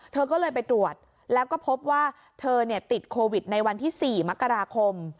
เธอก็เลยไปตรวจแล้วก็พบว่าเธอติดโควิดในวันที่๔มกราคม